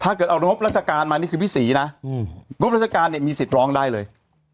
ถ้าเกิดเอางบราชการมานี่คือพี่ศรีนะงบราชการเนี่ยมีสิทธิ์ร้องได้เลย